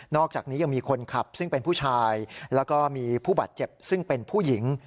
อกจากนี้ยังมีคนขับซึ่งเป็นผู้ชายแล้วก็มีผู้บาดเจ็บซึ่งเป็นผู้หญิง